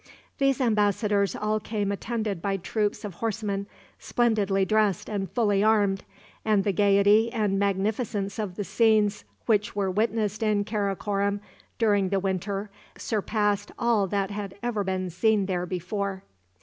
These embassadors all came attended by troops of horsemen splendidly dressed and fully armed, and the gayety and magnificence of the scenes which were witnessed in Karakorom during the winter surpassed all that had ever been seen there before.